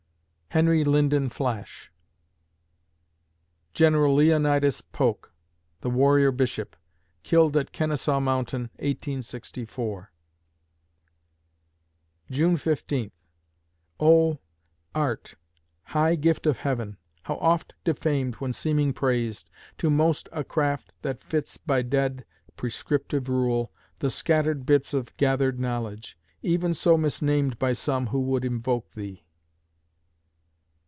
HENRY LYNDEN FLASH Gen. Leonidas Polk, the Warrior Bishop, killed at Kenesaw Mountain, 1864 June Fifteenth O, Art, high gift of Heaven! how oft defamed When seeming praised! To most a craft that fits, By dead, prescriptive Rule, the scattered bits Of gathered knowledge; even so misnamed By some who would invoke thee.